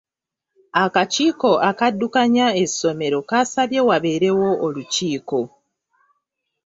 Akakiiko akaddukanya essomero kaasabye wabeerewo olukiiko.